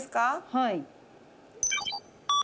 はい。